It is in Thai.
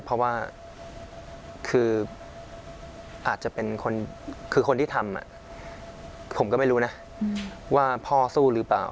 เพราะว่าคืออาจจะเป็นคนคือคนที่ทำผมก็ไม่รู้นะว่าพ่อสู้หรือเปล่า